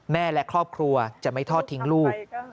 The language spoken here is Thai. และครอบครัวจะไม่ทอดทิ้งลูก